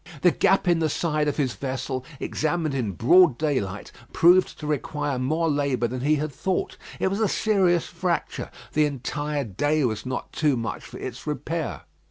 The gap in the side of his vessel, examined in broad daylight, proved to require more labour than he had thought. It was a serious fracture. The entire day was not too much for its repair.